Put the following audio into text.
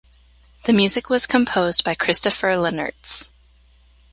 The music was composed by Christopher Lennertz.